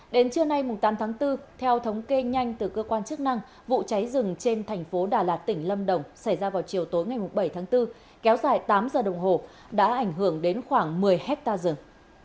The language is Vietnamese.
đến trưa nay tám tháng bốn theo thống kê nhanh từ cơ quan chức năng vụ cháy rừng trên thành phố đà lạt tỉnh lâm đồng xảy ra vào chiều tối ngày bảy tháng bốn kéo dài tám giờ đồng hồ đã ảnh hưởng đến khoảng một mươi hectare rừng